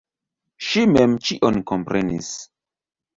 Ŝi mem ĉion komprenis.